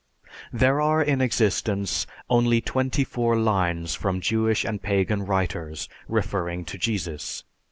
There are in existence only twenty four lines from Jewish and Pagan writers referring to Jesus.